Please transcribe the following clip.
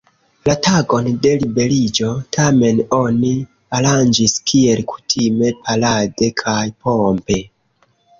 La tagon de liberiĝo, tamen, oni aranĝis kiel kutime parade kaj pompe.